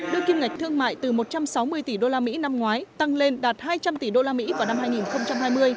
đưa kim ngạch thương mại từ một trăm sáu mươi tỷ usd năm ngoái tăng lên đạt hai trăm linh tỷ usd vào năm hai nghìn hai mươi